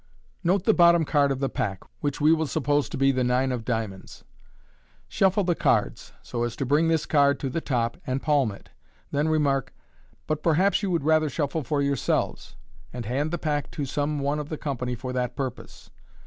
— Note the bottom card of the pack, which we will suppose to be the Dine of diamonds. Shuffle the cards, so as to bring this card to the top, and palm it. Then remark, " But perhaps you would rather shuffle for yourselves/* and hand the pack to some one of the com pany for that purpose.